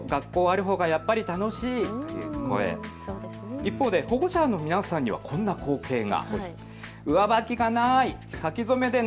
一方で保護者の皆さんにはこんな光景が。